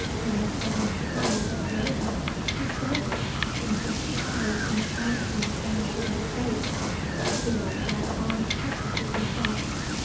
In the sudden surprise of hearing it, she started and fixed her eyes in astonishment on Sharon's face. The old vagabond chuckled to himself.